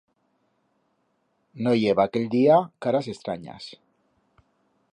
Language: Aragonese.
No i heba aquell día caras estranyas.